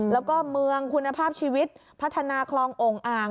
แล้วก็เมืองคุณภาพชีวิตพัฒนาคลององค์อ่าง